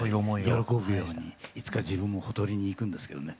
喜ぶようにいつか自分もほとりに行くんですけどね。